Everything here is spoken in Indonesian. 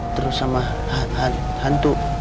terus sama hantu